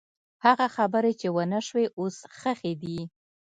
هغه خبرې چې ونه شوې، اوس ښخې دي.